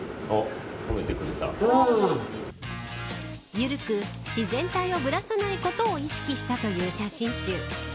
緩く、自然体をぶらさないことを意識したという写真集。